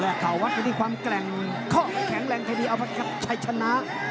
และข่าววัฒนีความแกร่งข้อแข็งแรงใครดีเอาไปกับชัยชนะ